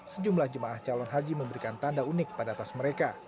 sejumlah jemaah calon haji memberikan tanda unik pada tas mereka